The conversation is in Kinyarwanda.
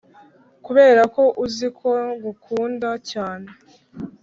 kuberako uzi ko ngukunda cyane!